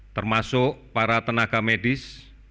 termasuk para tenaga medis